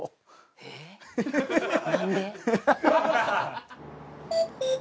えっ？